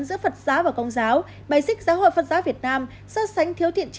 giữa phật giáo và công giáo bày xích giáo hội phật giáo việt nam so sánh thiếu thiện trí